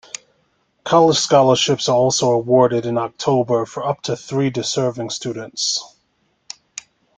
College scholarships are also awarded in October for up to three deserving students.